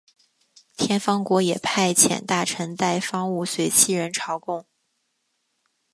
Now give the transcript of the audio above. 天方国也派遣大臣带方物随七人朝贡。